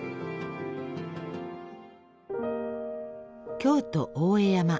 京都大江山。